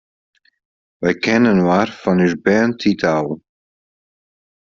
Wy kenne inoar fan ús bernetiid ôf.